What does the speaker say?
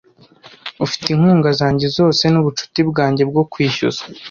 Ufite inkunga zanjye zose nubucuti bwanjye bwo kwishyuza